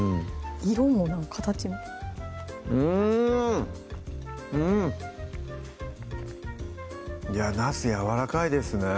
色も形もうんうんいやなすやわらかいですね